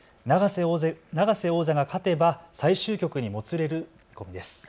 永瀬王座が勝てば最終局にもつれる見込みです。